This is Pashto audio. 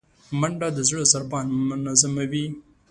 منډه د زړه ضربان منظموي